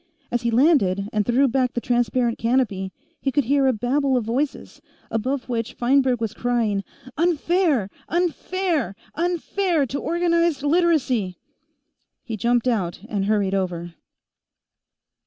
As he landed and threw back the transparent canopy, he could hear a babel of voices, above which Feinberg was crying: "Unfair! Unfair! Unfair to Organized Literacy!" He jumped out and hurried over.